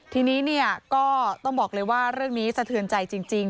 ทีนี้ก็ต้องบอกเลยว่าเรื่องนี้สะเทือนใจจริง